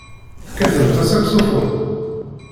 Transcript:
Tekkatemt asaksufun?